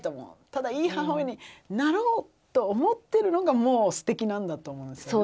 ただいい母親になろうと思ってるのがもうステキなんだと思いますよね。